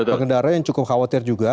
pengendara yang cukup khawatir juga